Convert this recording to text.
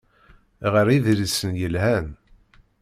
Ɣer idlisen yelhan.